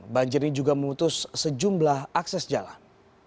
banjir ini juga memutus sejumlah akses jalan